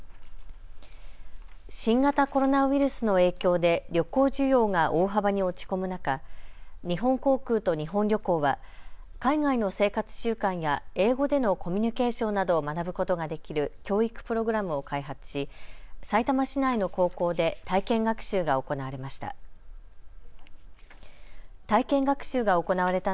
新型コロナウイルスの影響で旅行需要が大幅に落ち込む中、日本航空と日本旅行は海外の生活習慣や英語でのコミュニケーションなどを学ぶことができる教育プログラムを開発しさいたま市内の高校で体験学習が行われました。